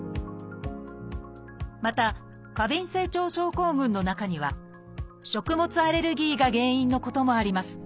また過敏性腸症候群の中には食物アレルギーが原因のこともあります。